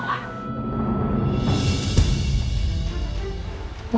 aku akan menanggung kamu